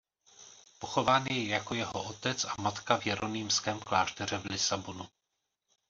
Pochován je jako jeho otec a matka v Jeronýmském klášteře v Lisabonu.